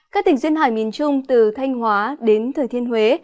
các tỉnh duyên hải miền trung từ thanh hóa đến thừa thiên huế